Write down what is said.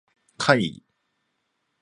怪異